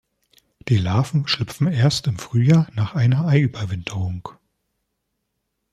Die Larven schlüpfen erst im Frühjahr nach einer Ei-Überwinterung.